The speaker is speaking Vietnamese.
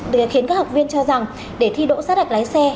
để khiến các học viên cho rằng để thi đỗ sát hạch lái xe